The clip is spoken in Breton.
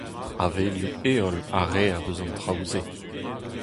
Avelioù-heol a reer eus an traoù-se.